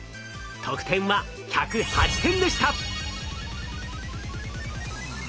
得点は１０８点でした。